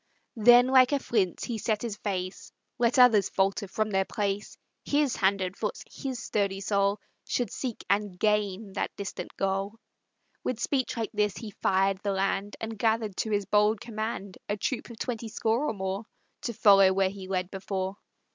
Then like a flint he set his face; Let others falter from their place, His hand and foot, his sturdy soul Should seek and gain that distant goal! With speech like this he fired the land, And gathered to his bold command A troop of twenty score or more, To follow where he led before.